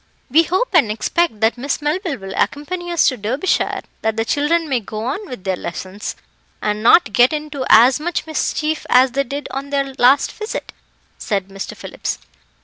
"We hope and expect that Miss Melville will accompany us to Derbyshire, that the children may go on with their lessons, and not get into as much mischief as they did on their last visit," said Mr. Phillips.